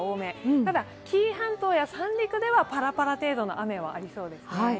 ただ紀伊半島や三陸ではパラパラ程度の雨はありそうですね。